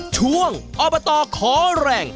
ช่วงอบตขอแรง